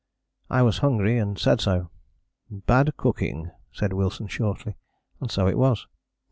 I was hungry and said so. "Bad cooking," said Wilson shortly; and so it was.